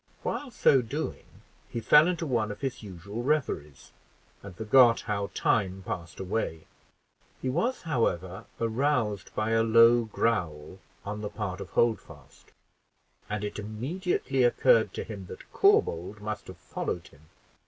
While so doing, he fell into one of his usual reveries, and forgot how time passed away. He was, however, aroused by a low growl on the part of Holdfast, and it immediately occurred to him that Corbould must have followed him.